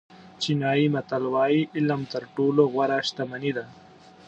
چینایي متل وایي علم تر ټولو غوره شتمني ده.